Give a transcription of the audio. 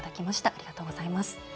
ありがとうございます。